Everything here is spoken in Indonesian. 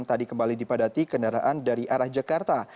tadi kembali dipadati kendaraan dari arah jakarta